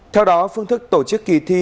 theo đó phương thức tổ chức kỳ thi